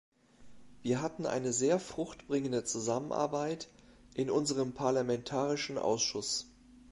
Wir hatten eine sehr fruchtbringende Zusammenarbeit in unserem parlamentarischen Ausschuss.